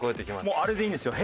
もうあれでいいんですよ。